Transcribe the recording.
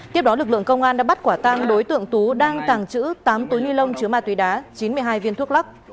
tiếp đó lực lượng công an đã bắt quả tăng đối tượng tú đang tàng trữ tám túi ni lông chứa ma túy đá chín mươi hai viên thuốc lắc